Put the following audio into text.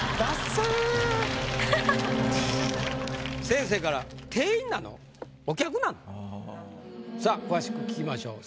先生から「店員なの？お客なの？」。さあ詳しく聞きましょう。